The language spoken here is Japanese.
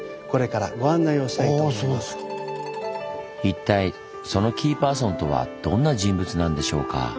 一体そのキーパーソンとはどんな人物なんでしょうか。